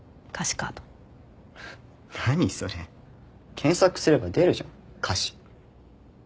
検索すれば出るじゃん歌詞。